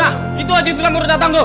nah itu haji sulam udah datang tuh